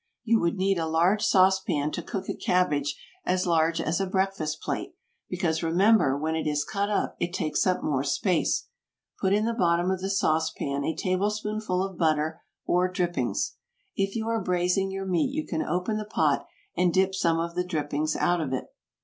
You would need a large sauce pan to cook a cabbage as large as a breakfast plate, because remember when it is cut up it takes up more space. Put in the bottom of the sauce pan a tablespoonful of butter or drippings. If you are braising your meat you can open the pot and dip some of the drippings out of it.